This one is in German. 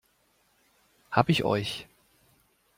Hab ich euch!